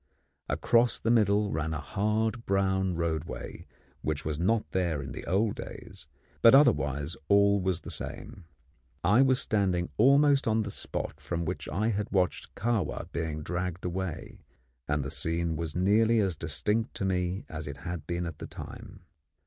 Across the middle ran a hard brown roadway which was not there in the old days; but otherwise all was the same. I was standing almost on the spot from which we had watched Kahwa being dragged away, and the scene was nearly as distinct to me as it had been at that time.